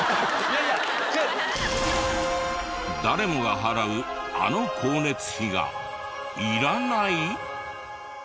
誰もが払うあの光熱費がいらない？